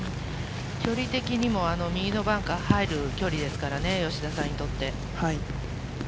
距離的にも右のバンカーに入る距離ですからね、吉田さんにとって。